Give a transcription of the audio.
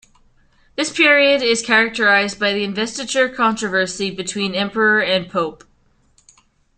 This period is characterized by the Investiture Controversy between Emperor and Pope.